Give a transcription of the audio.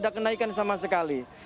tidak kenaikan sama sekali